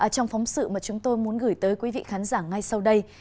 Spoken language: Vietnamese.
trong phóng sự mà chúng tôi muốn gửi tới quý vị khán giả ngay sau đây